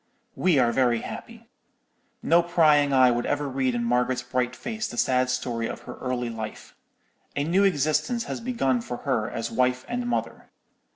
"We are very happy. No prying eye would ever read in Margaret's bright face the sad story of her early life. A new existence has begun for her as wife and mother.